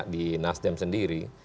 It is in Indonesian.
di nasdem sendiri